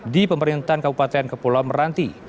di pemerintahan kabupaten kepulauan meranti